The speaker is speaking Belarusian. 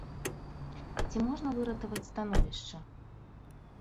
Ці можна выратаваць становішча?